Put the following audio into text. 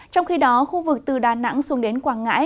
trong khi đó khu vực từ đà nẵng xuống đến quảng ngãi